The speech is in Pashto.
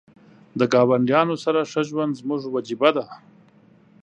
د ګاونډیانو سره ښه ژوند زموږ وجیبه ده .